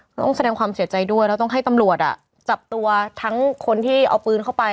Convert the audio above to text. ต้องแสดงความเสียใจด้วยแล้วต้องให้ตำรวจจับตัวทั้งคนที่เอาปืนเข้าไป